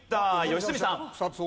良純さん。